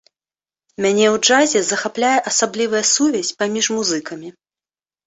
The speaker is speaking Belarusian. Мяне ў джазе захапляе асаблівая сувязь паміж музыкамі.